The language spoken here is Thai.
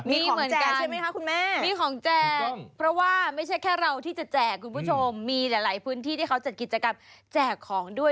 มีของแจกใช่ไหมคะคุณแม่ะคุณก้องว่าไม่ใช่แค่เราที่จะแจกคุณผู้ชมมีหลายพื้นที่ที่เขาแจกกิจกรรมแจกของด้วย